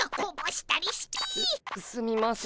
すすみません。